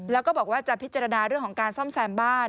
แล้วก็บอกว่าจะพิจารณาเรื่องของการซ่อมแซมบ้าน